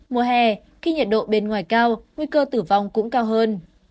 mùa hè khi nhiệt độ bên ngoài cao nguy cơ tử vong cũng cao hơn